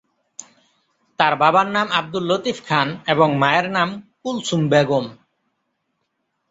তার বাবার নাম আবদুল লতিফ খান এবং মায়ের নাম কুলসুম বেগম।